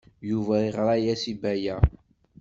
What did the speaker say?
Yuba yeɣra-as i Baya.